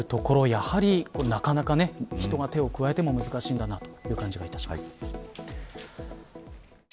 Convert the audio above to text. やはりなかなか人が手を加えても難しいんだなという感じがいたします。